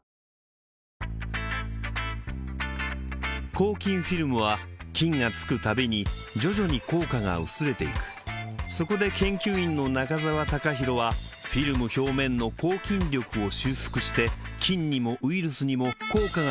抗菌フィルムは菌が付くたびに徐々に効果が薄れていくそこで研究員の中澤隆浩はフィルム表面の抗菌力を修復して菌にもウイルスにも効果が長期間持続する